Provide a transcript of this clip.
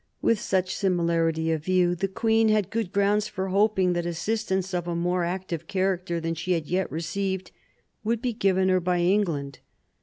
With such similarity of view, the queen had good grounds for hoping that assistance of a more active character than she had yet received would be given her by England.